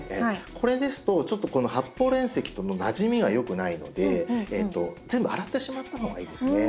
これですとちょっとこの発泡煉石とのなじみがよくないので全部洗ってしまった方がいいですね。